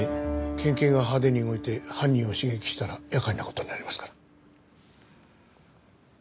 県警が派手に動いて犯人を刺激したら厄介な事になりますから。